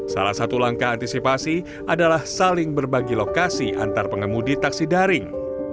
salah satu langkah antisipasi adalah saling berbagi lokasi antar pengemudi taksi daring